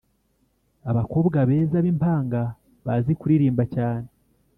abakobwa beza bimpanga bazi kuririmba cyane